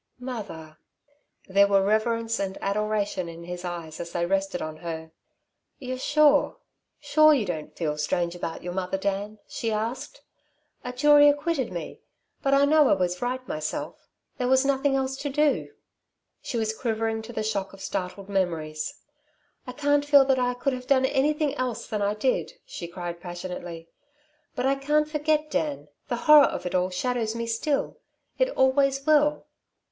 "Mother!" There were reverence and adoration in his eyes as they rested on her. "You're sure sure, you don't feel strange about your mother, Dan?" she asked. "A jury acquitted me, but I know I was right myself. There was nothing else to do." She was quivering to the shock of startled memories. "I can't feel that I could have done anything else than I did," she cried passionately, "but I can't forget, Dan. The horror of it all shadows me still it always will."